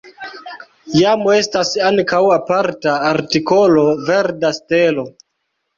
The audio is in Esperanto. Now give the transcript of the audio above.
Jam estas ankaŭ aparta artikolo Verda stelo.